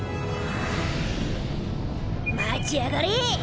待ちやがれ！